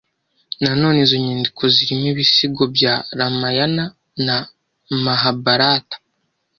Nanone izo nyandiko zirimo ibisigo bya Ramayana na Mahabharata